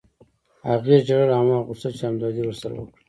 هغې ژړل او ما غوښتل چې همدردي ورسره وکړم